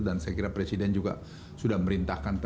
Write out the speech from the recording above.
dan saya kira presiden juga sudah merintahkan